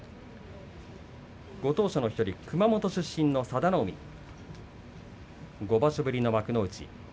ご当所の１人熊本出身の佐田の海５場所ぶりの幕内です。